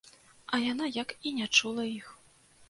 А яна як і не чула іх.